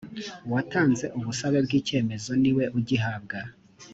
uwatanze ubusabe bw’icyemezo niwe ugihabwa